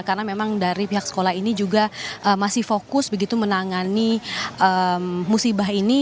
karena memang dari pihak sekolah ini juga masih fokus begitu menangani musibah ini